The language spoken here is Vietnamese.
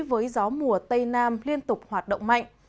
với gió mùa tây nam liên tục hoạt động mạnh